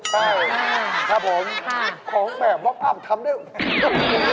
ใช่ครับผมของแบบม็อกอัพทำได้โอ้โฮ